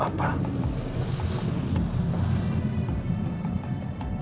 meskipun banyak tindakan kamu